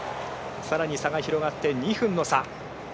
さらに差が広がって２分の差。